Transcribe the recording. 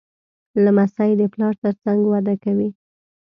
لمسی د پلار تر څنګ وده کوي.